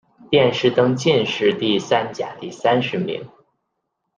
殿试登进士第三甲第三十名。